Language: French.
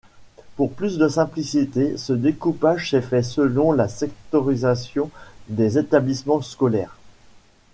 Pour plus de simplicité, ce découpage s’est fait selon la sectorisation des établissements scolaires.